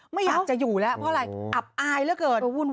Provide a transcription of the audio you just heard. ไม่อยากจะอยู่แล้วเพราะอะไรอับอายเหลือเกิน